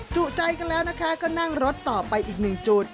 จุใจกันแล้วนะคะก็นั่งรถต่อไปอีกหนึ่งจุด